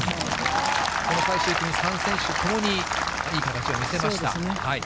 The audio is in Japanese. この最終組３選手ともにいい形を見せました。